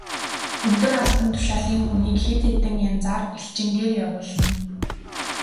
Өндөр албан тушаалын хүнийг хэд хэдэн янзаар элчингээр явуулна.